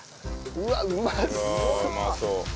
うわうまそう。